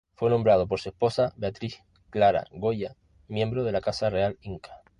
Fue nombrado por su esposa Beatriz Clara Coya, miembro de la casa real inca.